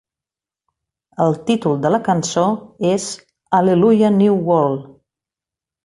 El títol de la cançó és "Hallelujah New World".